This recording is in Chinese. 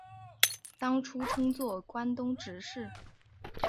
当初称作关东执事。